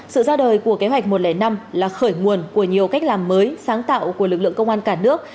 sự ra đời của kế hoạch một trăm linh năm là khởi nguồn của nhiều cách làm mới sáng tạo của lực lượng công an cả nước